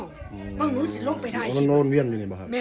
อันดับสุดท้ายก็คืออันดับสุดท้าย